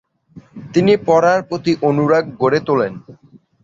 তিনি পড়ার প্রতি অনুরাগ গড়ে তোলেন।